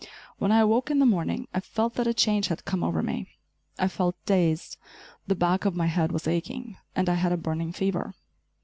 When I awoke in the morning I felt that a change had come over me. I felt dazed, the back of my head was aching, and I had a burning fever.